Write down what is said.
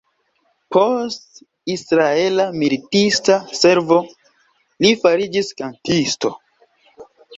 Post Israela militista servo, li fariĝis kantisto.